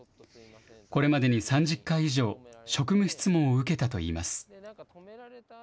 これまでに３０回以上、職務質問を受けたといいます。